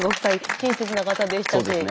親切な方でしたね。